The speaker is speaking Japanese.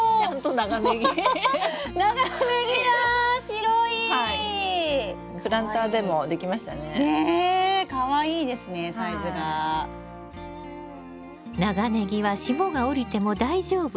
長ネギは霜が降りても大丈夫。